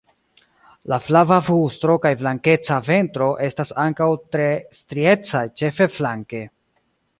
La flava brusto kaj blankeca ventro estas ankaŭ tre striecaj ĉefe flanke.